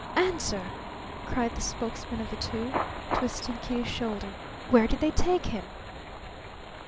"Answer!" cried the spokesman of the two, twisting Kitty's shoulder. "Where did they take him?"